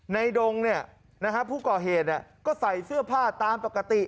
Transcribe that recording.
ดงผู้ก่อเหตุก็ใส่เสื้อผ้าตามปกติ